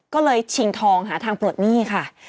ก็เลยชิงทองหาทางปลดหนี้ค่ะ